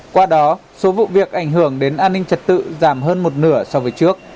qua đó số vụ việc ảnh hưởng đến an ninh trật tự giảm hơn một nửa so với trước